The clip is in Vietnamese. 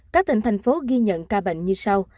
các tỉnh thành phố ghi nhận ca bệnh như sau